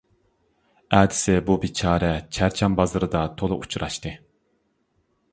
ئەتىسى بۇ بىچارە چەرچەن بازىرىدا تولا ئۇچراشتى.